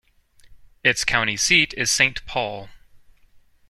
Its county seat is Saint Paul.